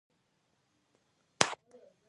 سړي بوټونه وايستل.